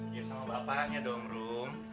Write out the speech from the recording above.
iya sama bapaknya dong rum